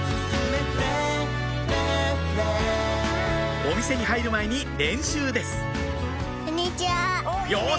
お店に入る前に練習ですよし！